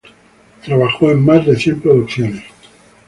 Trabajó en más de cien producciones.